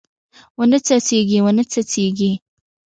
ونې نڅیږي ونې نڅیږي